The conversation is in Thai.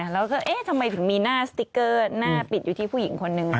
แล้วก็เอ๊ะทำไมถึงมีหน้าสติ๊กเกอร์หน้าปิดอยู่ที่ผู้หญิงคนนึง